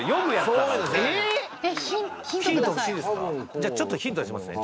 じゃあちょっとヒント出しますね。